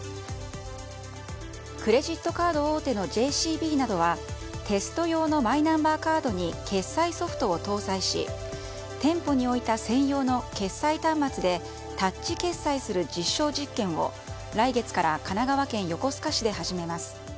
クレジットカード大手のＪＣＢなどはテスト用のマイナンバーカードに決済ソフトを搭載し店舗に置いた専用の決済端末でタッチ決済する実証実験を来月から神奈川県横須賀市で始めます。